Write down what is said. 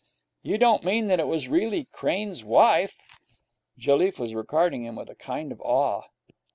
'You don't mean that it was really Crane's wife?' Jelliffe was regarding him with a kind of awe.